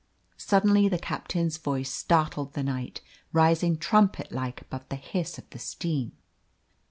Suddenly the captain's voice startled the night, rising trumpet like above the hiss of the steam.